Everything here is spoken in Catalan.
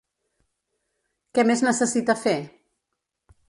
Què més necessita fer?